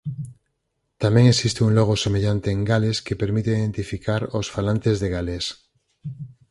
Tamén existe un logo semellante en Gales que permite identificar ós falantes de galés.